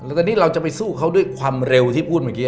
ตอนนี้เราจะไปสู้เขาด้วยความเร็วที่พูดเมื่อกี้